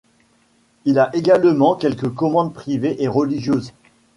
Il a également quelques commandes privées et religieuses.